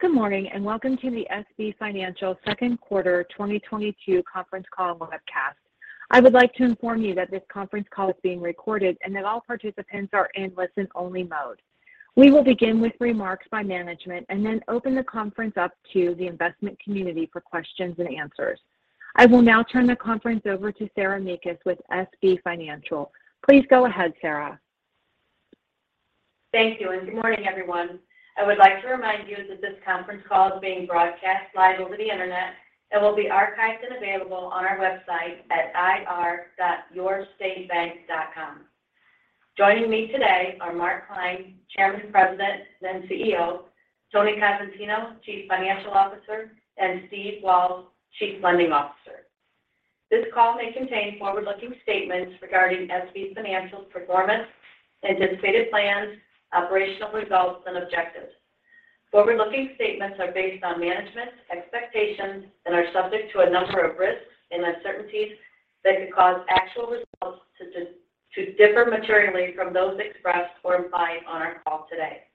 Good morning, and welcome to the SB Financial second quarter 2022 conference call webcast. I would like to inform you that this conference call is being recorded and that all participants are in listen only mode. We will begin with remarks by management and then open the conference up to the investment community for questions and answers. I will now turn the conference over to Sarah S. Mekus with SB Financial. Please go ahead, Sarah. Thank you, and good morning, everyone. I would like to remind you that this conference call is being broadcast live over the Internet and will be archived and available on our website at ir.yourstatebank.com. Joining me today are Mark A. Klein, Chairman, President, and CEO, Anthony V. Cosentino, Chief Financial Officer, and Steven A. Walz, Chief Lending Officer. This call may contain forward-looking statements regarding SB Financial's performance, anticipated plans, operational results, and objectives. Forward-looking statements are based on management's expectations and are subject to a number of risks and uncertainties that could cause actual results to differ materially from those expressed or implied on our call today.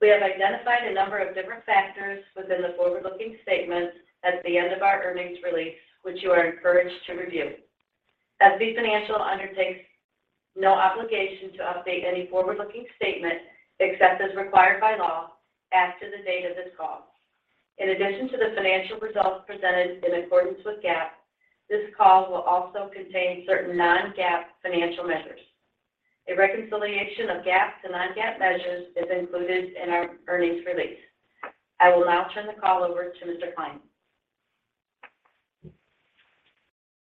We have identified a number of different factors within the forward-looking statements at the end of our earnings release, which you are encouraged to review. SB Financial undertakes no obligation to update any forward-looking statement, except as required by law, after the date of this call. In addition to the financial results presented in accordance with GAAP, this call will also contain certain non-GAAP financial measures. A reconciliation of GAAP to non-GAAP measures is included in our earnings release. I will now turn the call over to Mr. Klein.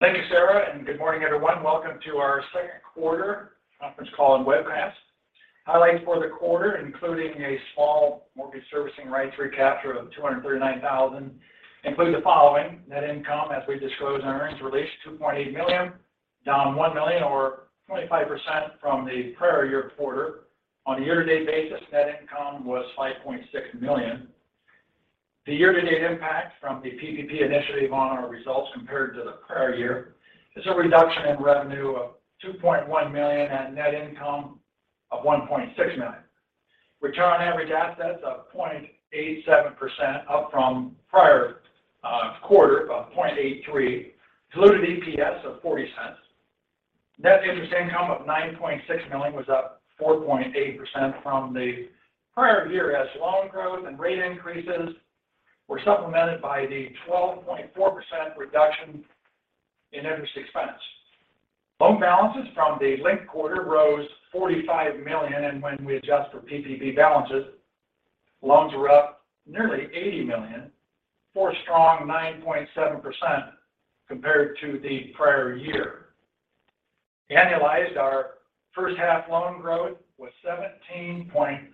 Thank you, Sarah, and good morning, everyone. Welcome to our second quarter conference call and webcast. Highlights for the quarter, including a small mortgage servicing rights recapture of $239,000, include the following. Net income, as we disclose in our earnings release, $2.8 million, down $1 million or 25% from the prior year quarter. On a year-to-date basis, net income was $5.6 million. The year-to-date impact from the PPP initiative on our results compared to the prior year is a reduction in revenue of $2.1 million and net income of $1.6 million. Return on average assets of 0.87% up from prior quarter of 0.83%. Diluted EPS of $0.40. Net interest income of $9.6 million was up 4.8% from the prior year as loan growth and rate increases were supplemented by the 12.4% reduction in interest expense. Loan balances from the linked quarter rose $45 million, and when we adjust for PPP balances, loans were up nearly $80 million for a strong 9.7% compared to the prior year. Annualized, our first half loan growth was 17.7%.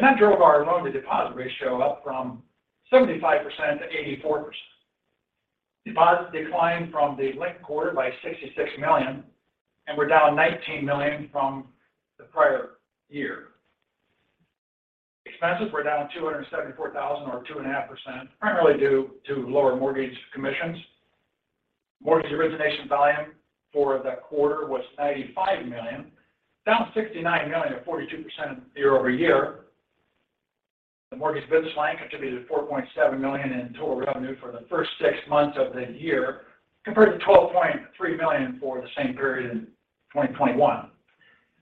That drove our loan-to-deposit ratio up from 75% to 84%. Deposits declined from the linked quarter by $66 million and were down $19 million from the prior year. Expenses were down $274,000 or 2.5%, primarily due to lower mortgage commissions. Mortgage origination volume for the quarter was $95 million, down $69 million or 42% year-over-year. The mortgage business line contributed $4.7 million in total revenue for the first six months of the year, compared to $12.3 million for the same period in 2021.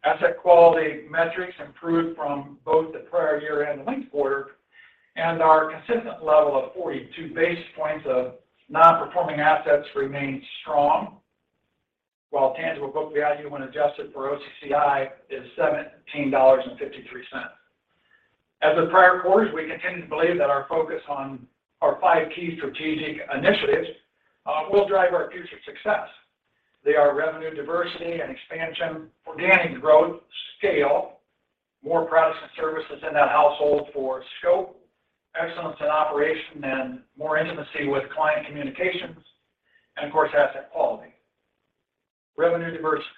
Asset quality metrics improved from both the prior year and the linked quarter, and our consistent level of 42 basis points of non-performing assets remained strong. While tangible book value when adjusted for AOCI is $17.53. As with prior quarters, we continue to believe that our focus on our five key strategic initiatives will drive our future success. They are revenue diversity and expansion, organic growth, scale, more products and services in that household for scope, excellence in operation and more intimacy with client communications, and of course, asset quality. Revenue diversity.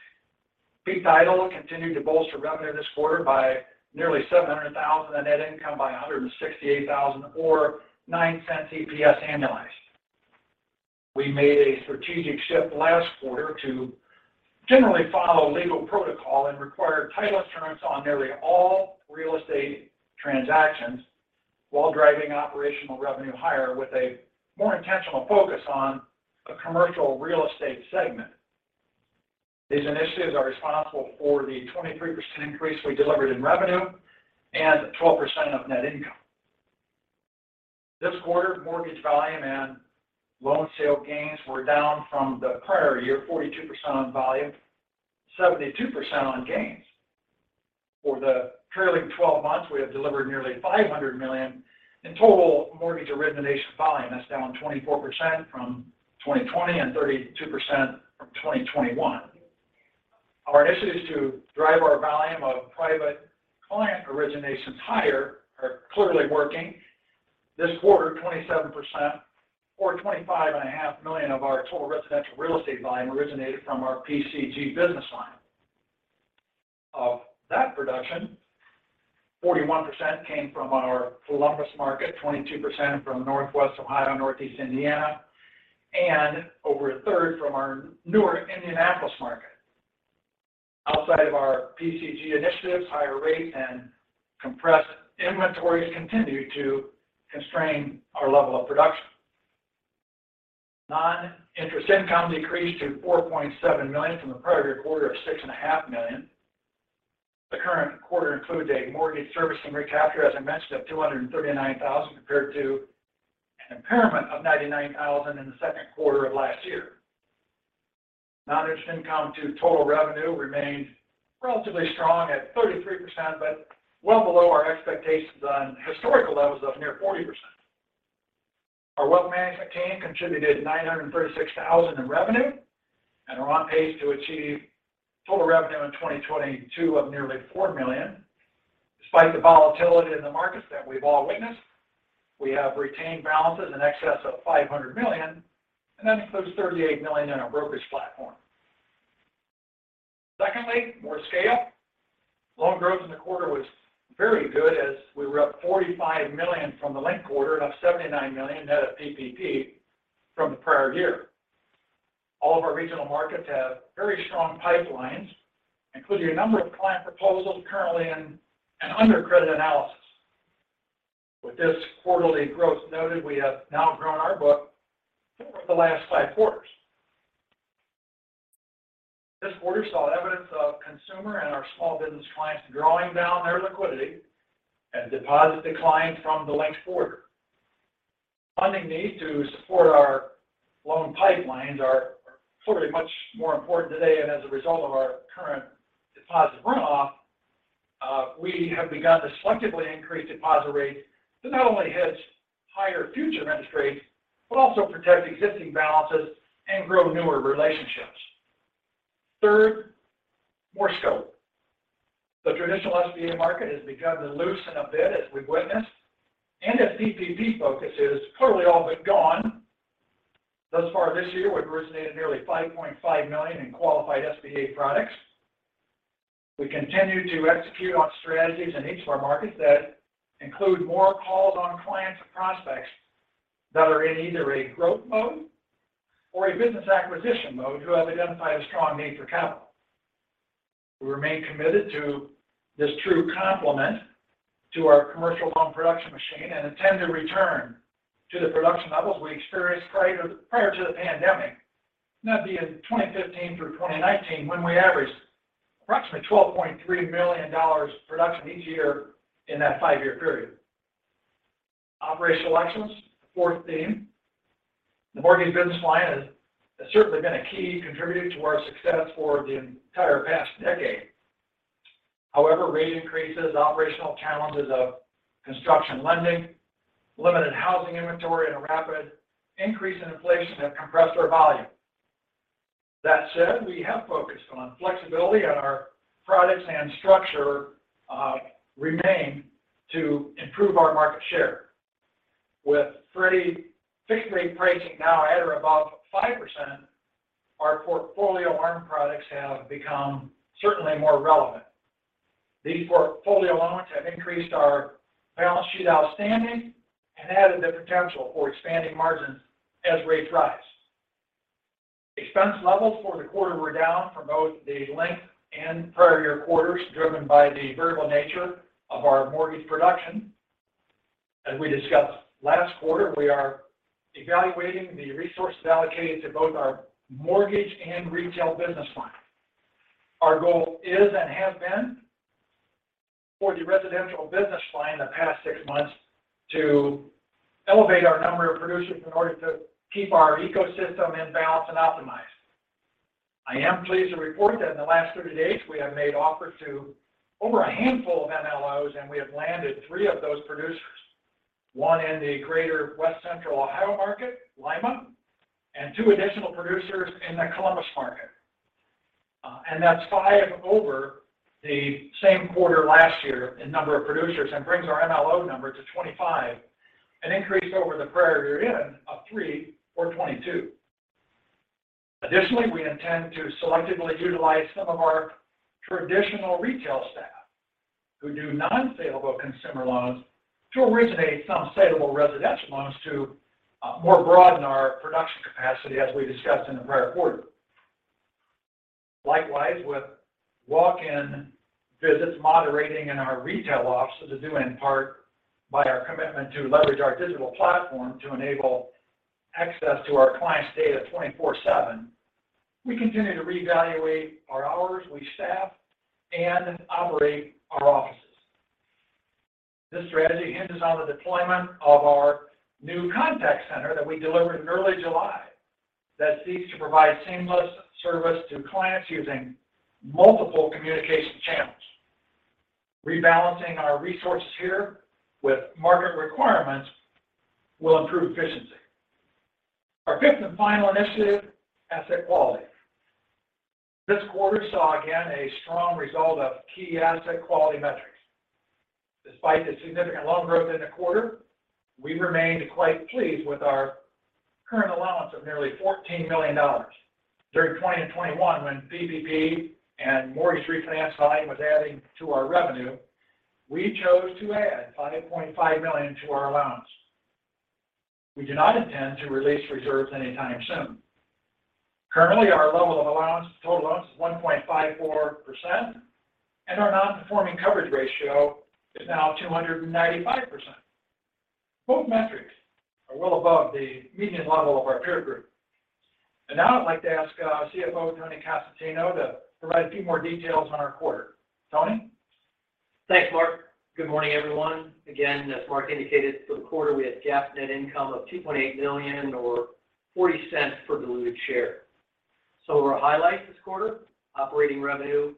Peak Title continued to bolster revenue this quarter by nearly $700,000 and net income by $168,000 or $0.09 EPS annualized. We made a strategic shift last quarter to generally follow legal protocol and require title insurance on nearly all real estate transactions while driving operational revenue higher with a more intentional focus on the commercial real estate segment. These initiatives are responsible for the 23% increase we delivered in revenue and 12% of net income. This quarter, mortgage volume and loan sale gains were down from the prior year, 42% on volume, 72% on gains. For the trailing 12 months, we have delivered nearly $500 million in total mortgage origination volume. That's down 24% from 2020 and 32% from 2021. Our initiatives to drive our volume of private client originations higher are clearly working. This quarter, 27% or $25.5 million of our total residential real estate volume originated from our PCG business line. Of that production, 41% came from our Columbus market, 22% from Northwest Ohio, Northeast Indiana, and over a third from our newer Indianapolis market. Outside of our PCG initiatives, higher rates and compressed inventories continue to constrain our level of production. Non-interest income decreased to $4.7 million from the prior quarter of $6.5 million. The current quarter includes a mortgage servicing recapture, as I mentioned, of $239,000 compared to an impairment of $99,000 in the second quarter of last year. Non-interest income to total revenue remained relatively strong at 33%, but well below our expectations on historical levels of near 40%. Our wealth management team contributed $936,000 in revenue and are on pace to achieve total revenue in 2022 of nearly $4 million. Despite the volatility in the markets that we've all witnessed, we have retained balances in excess of $500 million, and that includes $38 million in our brokerage platform. Secondly, more scale. Loan growth in the quarter was very good as we were up $45 million from the linked quarter and up $79 million net of PPP from the prior year. All of our regional markets have very strong pipelines, including a number of client proposals currently in and under credit analysis. With this quarterly growth noted, we have now grown our book four of the last five quarters. This quarter saw evidence of consumer and our small business clients drawing down their liquidity and deposit declines from the linked quarter. Funding needs to support our loan pipelines are certainly much more important today, and as a result of our current deposit runoff, we have begun to selectively increase deposit rates that not only hits higher future interest rates, but also protect existing balances and grow newer relationships. Third, more scope. The traditional SBA market has begun to loosen a bit as we've witnessed, and as PPP focus is clearly all but gone. Thus far this year, we've originated nearly $5.5 million in qualified SBA products. We continue to execute on strategies in each of our markets that include more calls on clients and prospects that are in either a growth mode or a business acquisition mode who have identified a strong need for capital. We remain committed to this true complement to our commercial loan production machine and intend to return to the production levels we experienced prior to the pandemic, that being 2015 through 2019 when we averaged approximately $12.3 million production each year in that five-year period. Operational excellence, fourth theme. The mortgage business line has certainly been a key contributor to our success for the entire past decade. However, rate increases, operational challenges of construction lending, limited housing inventory, and a rapid increase in inflation have compressed our volume. That said, we have focused on flexibility, and our products and structure remain to improve our market share. With fixed-rate pricing now at or above 5%, our portfolio loan products have become certainly more relevant. These portfolio loans have increased our balance sheet outstanding and added the potential for expanding margins as rates rise. Expense levels for the quarter were down from both the linked and prior year quarters, driven by the variable nature of our mortgage production. As we discussed last quarter, we are evaluating the resources allocated to both our mortgage and retail business lines. Our goal is, and has been, for the residential business line the past six months to elevate our number of producers in order to keep our ecosystem in balance and optimized. I am pleased to report that in the last 30 days, we have made offers to over a handful of MLOs, and we have landed three of those producers, one in the Greater West Central Ohio market, Lima, and two additional producers in the Columbus market. That's five over the same quarter last year in number of producers and brings our MLO number to 25, an increase over the prior year-end of three or 22. Additionally, we intend to selectively utilize some of our traditional retail staff who do non-saleable consumer loans to originate some saleable residential loans to more broaden our production capacity as we discussed in the prior quarter. Likewise, with walk-in visits moderating in our retail offices due in part by our commitment to leverage our digital platform to enable access to our clients' data 24/7, we continue to reevaluate our hours we staff and operate our offices. This strategy hinges on the deployment of our new contact center that we delivered in early July that seeks to provide seamless service to clients using multiple communication channels. Rebalancing our resources here with market requirements will improve efficiency. Our fifth and final initiative, asset quality. This quarter saw again a strong result of key asset quality metrics. Despite the significant loan growth in the quarter, we remained quite pleased with our current allowance of nearly $14 million. During 2020 and 2021 when PPP and mortgage refinance volume was adding to our revenue, we chose to add $5.5 million to our allowance. We do not intend to release reserves anytime soon. Currently, our level of allowance to total loans is 1.54% and our non-performing coverage ratio is now 295%. Both metrics are well above the median level of our peer group. Now I'd like to ask CFO Tony Cosentino to provide a few more details on our quarter. Tony? Thanks, Mark. Good morning, everyone. Again, as Mark indicated, for the quarter, we had GAAP net income of $2.8 million or $0.40 per diluted share. Our highlights this quarter, operating revenue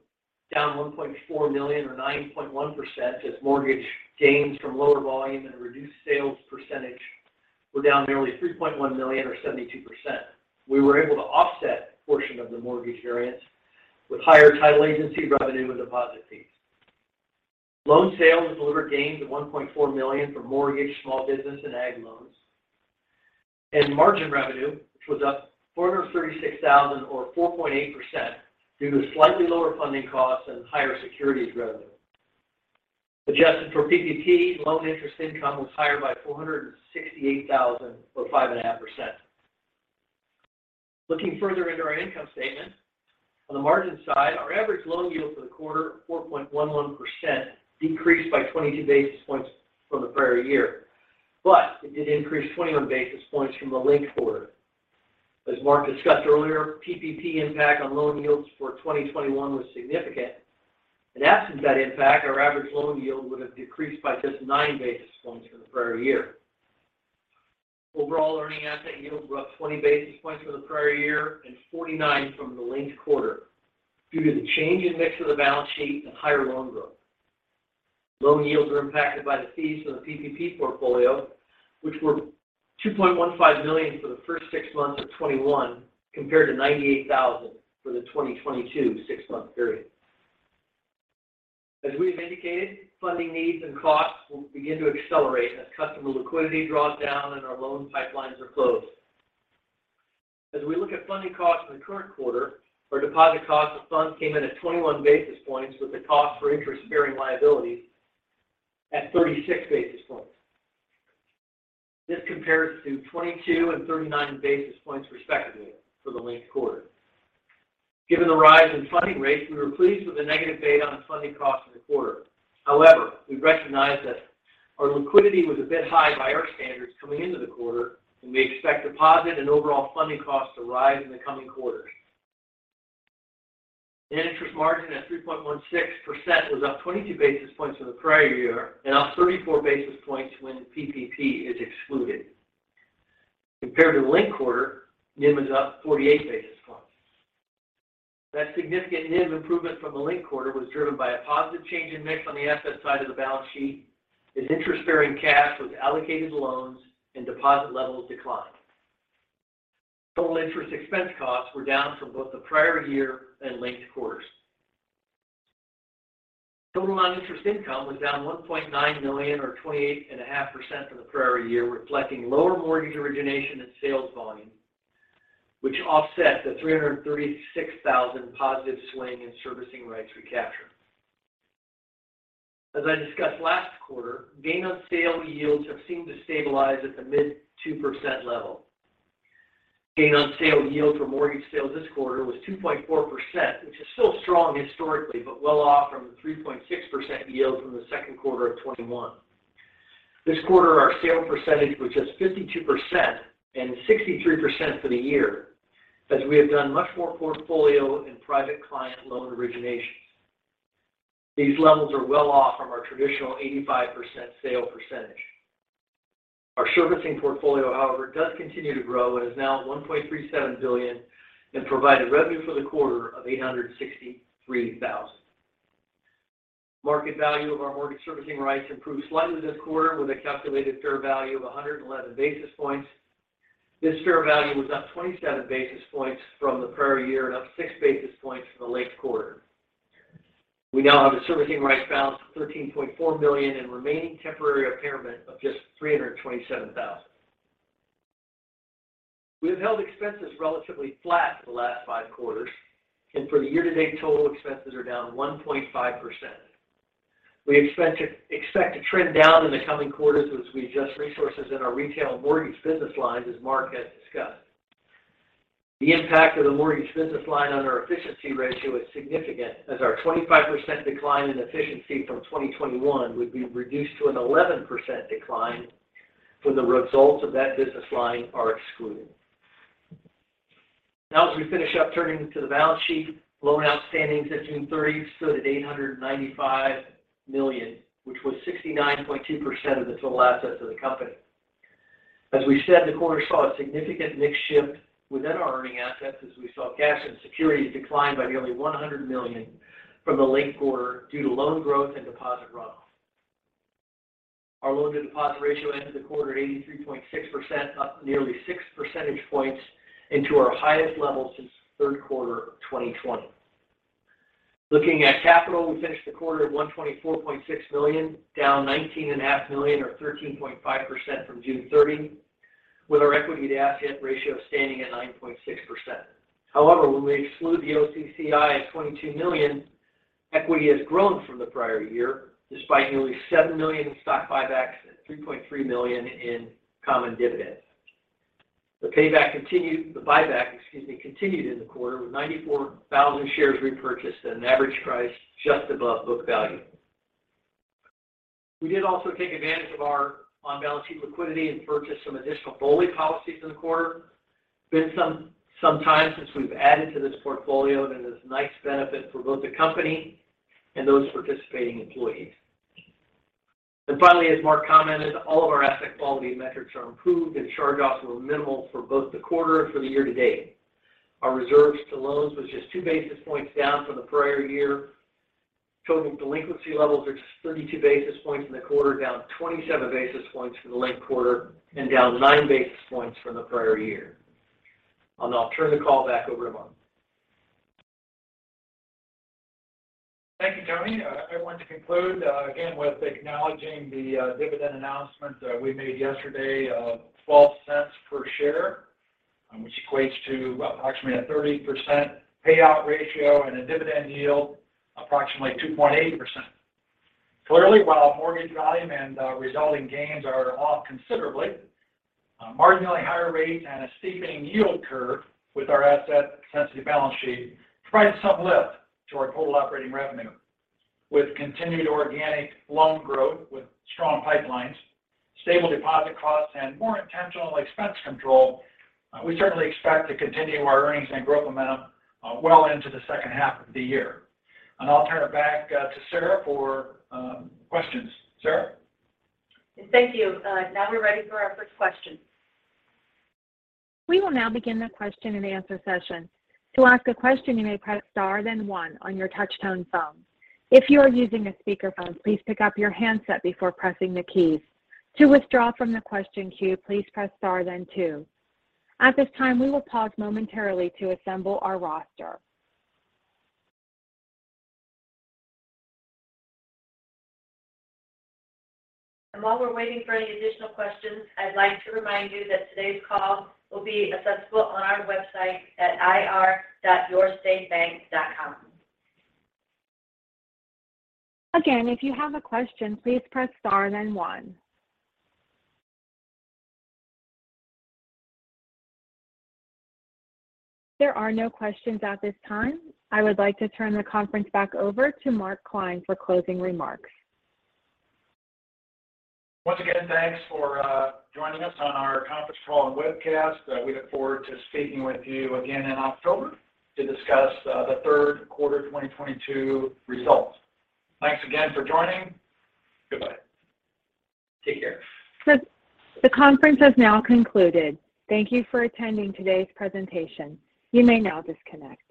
down $1.4 million or 9.1% as mortgage gains from lower volume and reduced sales percentage were down nearly $3.1 million or 72%. We were able to offset a portion of the mortgage variance with higher title agency revenue and deposit fees. Loan sales delivered gains of $1.4 million for mortgage, small business, and ag loans. Margin revenue, which was up $436,000 or 4.8% due to slightly lower funding costs and higher securities revenue. Adjusted for PPP, loan interest income was higher by $468,000 or 5.5%. Looking further into our income statement, on the margin side, our average loan yield for the quarter of 4.11% decreased by 22 basis points from the prior year. It did increase 21 basis points from the linked quarter. As Mark discussed earlier, PPP impact on loan yields for 2021 was significant. In absence of that impact, our average loan yield would have decreased by just 9 basis points from the prior year. Overall earning asset yields were up 20 basis points from the prior year and 49 from the linked quarter due to the change in mix of the balance sheet and higher loan growth. Loan yields were impacted by the fees from the PPP portfolio, which were $2.15 million for the first six months of 2021 compared to $98,000 for the 2022 six-month period. As we have indicated, funding needs and costs will begin to accelerate as customer liquidity draws down and our loan pipelines are closed. As we look at funding costs for the current quarter, our deposit cost of funds came in at 21 basis points, with the cost for interest-bearing liabilities at 36 basis points. This compares to 22 and 39 basis points respectively for the linked quarter. Given the rise in funding rates, we were pleased with the negative beta on funding costs in the quarter. However, we recognize that our liquidity was a bit high by our standards coming into the quarter, and we expect deposit and overall funding costs to rise in the coming quarters. Net interest margin at 3.16% was up 22 basis points from the prior year and up 34 basis points when PPP is excluded. Compared to the linked quarter, NIM was up 48 basis points. That significant NIM improvement from the linked quarter was driven by a positive change in mix on the asset side of the balance sheet as interest-bearing cash was allocated to loans and deposit levels declined. Total interest expense costs were down from both the prior year and linked quarters. Total noninterest income was down $1.9 million or 28.5% from the prior year, reflecting lower mortgage origination and sales volume, which offset the $336,000 positive swing in servicing rights recapture. As I discussed last quarter, gain on sale yields have seemed to stabilize at the mid-2% level. Gain on sale yield for mortgage sales this quarter was 2.4%, which is still strong historically, but well off from the 3.6% yield from the second quarter of 2021. This quarter, our sale percentage was just 52% and 63% for the year, as we have done much more portfolio and private client loan originations. These levels are well off from our traditional 85% sale percentage. Our servicing portfolio, however, does continue to grow and is now at $1.37 billion and provided revenue for the quarter of $863,000. Market value of our mortgage servicing rights improved slightly this quarter with a calculated fair value of 111 basis points. This fair value was up 27 basis points from the prior year and up 6 basis points from the linked quarter. We now have a servicing rights balance of $13.4 million and remaining temporary impairment of just $327,000. We have held expenses relatively flat for the last five quarters, and for the year-to-date, total expenses are down 1.5%. We expect to trend down in the coming quarters as we adjust resources in our retail and mortgage business lines, as Mark has discussed. The impact of the mortgage business line on our efficiency ratio is significant, as our 25% decline in efficiency from 2021 would be reduced to an 11% decline when the results of that business line are excluded. Now as we finish up turning to the balance sheet, loans outstanding to June 30th stood at $895 million, which was 69.2% of the total assets of the company. As we said, the quarter saw a significant mix shift within our earning assets as we saw cash and securities decline by nearly $100 million from the linked quarter due to loan growth and deposit runoff. Our loan-to-deposit ratio ended the quarter at 83.6%, up nearly 6 percentage points and to our highest level since third quarter of 2020. Looking at capital, we finished the quarter at $124.6 million, down $19.5 million or 13.5% from June 30, with our equity-to-asset ratio standing at 9.6%. However, when we exclude the AOCI at $22 million. Equity has grown from the prior year, despite nearly $7 million in stock buybacks and $3.3 million in common dividends. The buyback, excuse me, continued in the quarter, with 94,000 shares repurchased at an average price just above book value. We did also take advantage of our on-balance sheet liquidity and purchased some additional BOLI policies in the quarter. Been some time since we've added to this portfolio, and it is a nice benefit for both the company and those participating employees. Finally, as Mark commented, all of our asset quality metrics are improved, and charge-offs were minimal for both the quarter and for the year to date. Our reserves to loans was just 2 basis points down from the prior year. Total delinquency levels are just 32 basis points in the quarter, down 27 basis points from the linked quarter and down 9 basis points from the prior year. I'll turn the call back over to Mark. Thank you, Tony. I want to conclude again with acknowledging the dividend announcement that we made yesterday of $0.12 per share, which equates to approximately a 30% payout ratio and a dividend yield approximately 2.8%. Clearly, while mortgage volume and resulting gains are off considerably, marginally higher rates and a steepening yield curve with our asset-sensitive balance sheet provide some lift to our total operating revenue. With continued organic loan growth with strong pipelines, stable deposit costs, and more intentional expense control, we certainly expect to continue our earnings and growth momentum well into the second half of the year. I'll turn it back to Sarah for questions. Sarah? Thank you. Now we're ready for our first question. We will now begin the question and answer session. To ask a question, you may press star then one on your touch-tone phone. If you are using a speakerphone, please pick up your handset before pressing the keys. To withdraw from the question queue, please press star then two. At this time, we will pause momentarily to assemble our roster. While we're waiting for any additional questions, I'd like to remind you that today's call will be accessible on our website at ir.yourstatebank.com. Again, if you have a question, please press star then one. There are no questions at this time. I would like to turn the conference back over to Mark Klein for closing remarks. Once again, thanks for joining us on our conference call and webcast. We look forward to speaking with you again in October to discuss the third quarter 2022 results. Thanks again for joining. Goodbye. Take care. The conference has now concluded. Thank you for attending today's presentation. You may now disconnect.